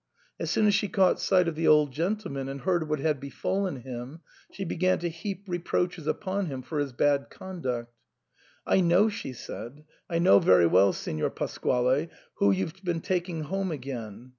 As soon as she caught sight of the old gentleman and heard what had befallen him, she began to heap reproaches upon him for his bad conduct " I know," she said, " I know very well, Signor Pasquale, who you've been taking home again.